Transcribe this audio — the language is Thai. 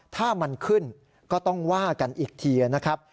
ถ้ามันขึ้นก็ต้องว่ากันอีกทีนะครับ